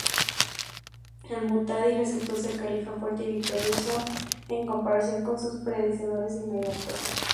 Al-Muhtadi resultó ser un califa fuerte y victorioso, en comparación con sus predecesores inmediatos.